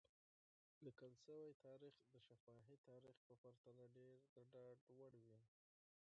لیکل شوی تاریخ د شفاهي تاریخ په پرتله ډېر د ډاډ وړ وي.